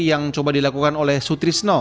yang coba dilakukan oleh sutrisno